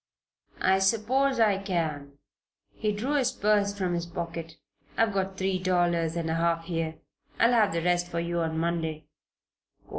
"I suppose I can." He drew his purse from his pocket. "I've got three dollars and a half here. I'll have the rest for you on Monday."